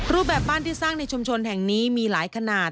รูปแบบบ้านที่สร้างในชุมชนแห่งนี้มีหลายขนาด